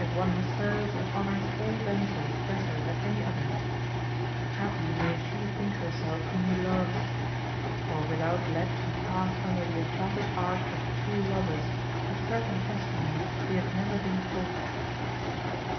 one who serves and honours all damsels better than any other ; happy may she think herself whom he loves ! for without let he passed under the enchanted Arch of True Lovers, a certain testimony that he had never been false.